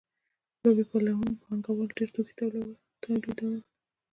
لویو پانګوالو ډېر توکي تولیدول